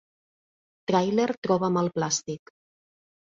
Tràiler Troba'm el plàstic.